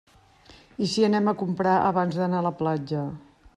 I si anem a comprar abans d'anar a la platja.